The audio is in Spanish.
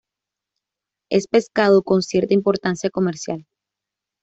Es pescado con cierta importancia comercial.